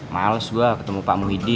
males gue ketemu pak muhyidi